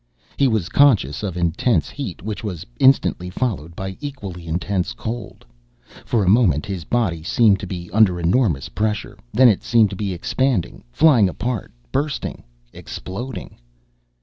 He was conscious of intense heat which was instantly followed by equally intense cold. For a moment his body seemed to be under enormous pressure, then it seemed to be expanding, flying apart, bursting, exploding....